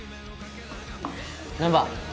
難破。